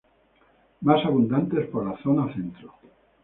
Más abundante por la zona centro.